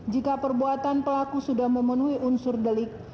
jika perbuatan pelaku sudah memenuhi unsur delik